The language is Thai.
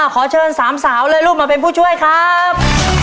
ขอเชิญสามสาวเลยลูกมาเป็นผู้ช่วยครับ